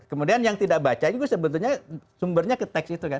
kemudian yang tidak baca juga sebetulnya sumbernya ke teks itu kan